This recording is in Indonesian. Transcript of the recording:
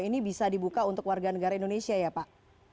ini bisa dibuka untuk warga negara indonesia ya pak